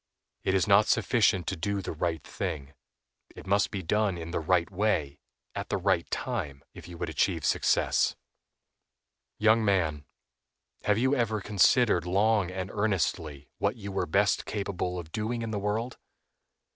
It is not sufficient to do the right thing, it must be done in the right way, at the right time, if you would achieve success. Young man, have you ever considered long and earnestly what you were best capable of doing in the world?